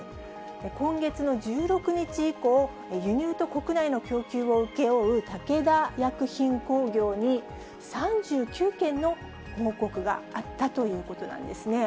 今月の１６日以降、輸入と国内の供給を請け負う武田薬品工業に、３９件の報告があったということなんですね。